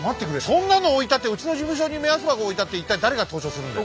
そんなの置いたってうちの事務所に目安箱置いたって一体誰が投書するんだよ。